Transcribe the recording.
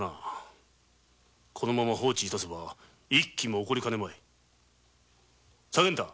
このまま放置致せば一揆も起こりかねまい左源太！